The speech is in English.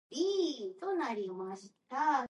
May God protect our troops.